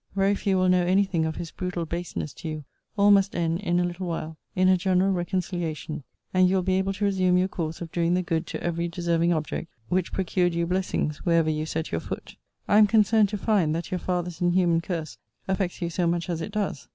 Very few will know any thing of his brutal baseness to you. All must end, in a little while, in a general reconciliation; and you will be able to resume your course of doing the good to every deserving object, which procured you blessings wherever you set your foot. I am concerned to find, that your father's inhuman curse affects you so much as it does.